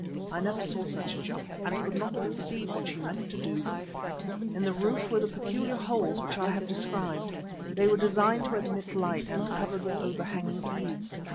I never saw such a jump, and could not conceive what she meant to do. In the roof were the peculiar holes which I have described. They were designed to admit light, and covered with overhanging eaves.